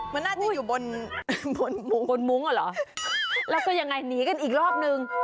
มันน่าจะอยู่บนมุ้งแล้วก็ยังไงหนีกันอีกรอบนึง